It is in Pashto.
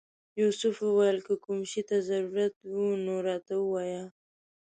یوسف وویل که کوم شي ته ضرورت و نو راته ووایه.